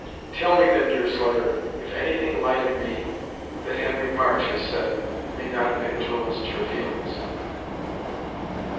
"Tell me then, Deerslayer, if anything light of me, that Henry March has said, may not have influenced your feelings?"